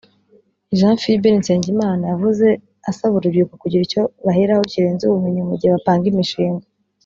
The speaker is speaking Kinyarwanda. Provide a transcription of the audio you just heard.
Jean Philbert Nsengimana yavuze asaba urubyiruko kugira icyo baheraho kirenze ubumenyi mu gihe bapanga imishinga